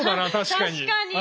確かに！